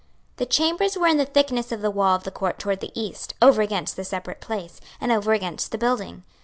26:042:010 The chambers were in the thickness of the wall of the court toward the east, over against the separate place, and over against the building.